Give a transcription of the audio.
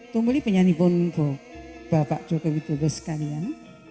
tungguli penyanyi bonbo bapak joko widodo sekalian